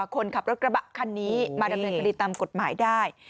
คนขับรถกระบะคันนี้มาดำเนินคดีตามกฎหมายได้